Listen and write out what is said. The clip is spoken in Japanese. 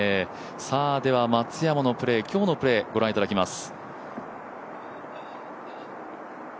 松山の今日のプレーご覧いただきます。